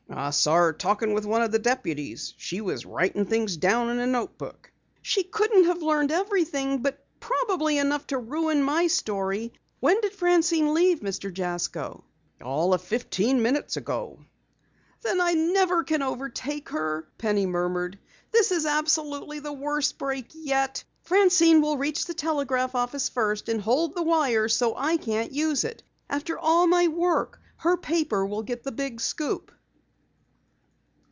"I saw her talking with one of the deputies. She was writing things down in a notebook." "She couldn't have learned everything, but probably enough to ruin my story. When did Francine leave, Mr. Jasko?" "All of fifteen minutes ago." "Then I never can overtake her," Penny murmured. "This is absolutely the worst break yet! Francine will reach the telegraph office first and hold the wire so I can't use it. After all my work, her paper will get the big scoop!"